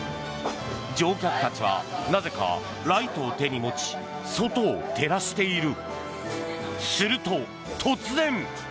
乗客たちはなぜか、ライトを手に持ち外を照らしている。